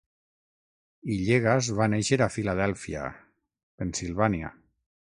Hillegas va néixer a Filadèlfia, Pennsilvània.